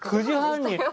９時半に。